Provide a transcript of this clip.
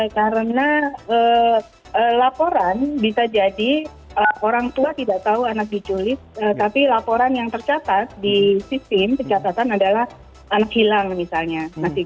karena laporan bisa jadi orang tua tidak tahu anak diculis tapi laporan yang tercatat di sistem tercatatan adalah anak hilang misalnya